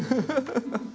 ハハハハ！